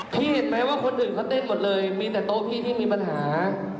เห็นไหมว่าคนอื่นเขาเต้นหมดเลยมีแต่โต๊ะพี่ที่มีปัญหา